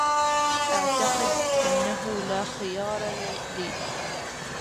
أعتقد أنه لا خيار لي.